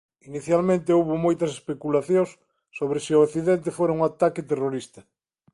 Inicialmente houbo moitas especulacións sobre se o accidente fora un ataque terrorista.